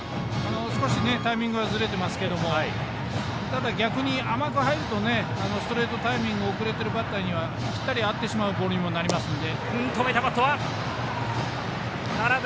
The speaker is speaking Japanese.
少しタイミングがずれてますけどただ逆に甘く入るとストレートタイミング遅れてるバッターにはぴったり合ってしまうボールにもなってしまうので。